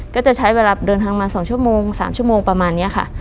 ก็จะใช้เวลาเดินทางมา๒ชั่วโมง๓ชั่วโมงประมาณนี้ค่ะ